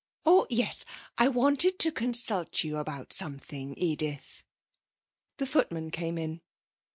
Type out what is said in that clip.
'Oh yes. I wanted to consult you about something, Edith.' The footman came in.